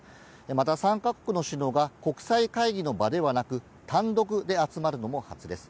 また３か国の首脳が国際会議の場ではなく、単独で集まるのも初です。